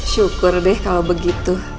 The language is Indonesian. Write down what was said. syukur deh kalau begitu